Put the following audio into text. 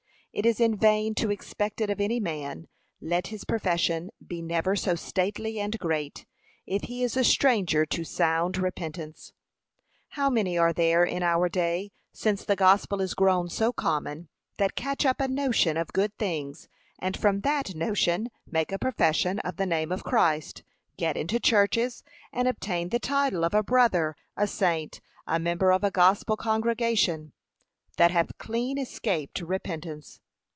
It is in vain to expect it of any man, let his profession be never so stately and great, if he is a stranger to sound repentance. How many are there in our day, since the gospel is grown so common, that catch up a notion of good things and from that notion make a profession of the name of Christ, get into churches, and obtain the title of a brother, a saint, a member of a gospel congregation, that have clean escaped repentance.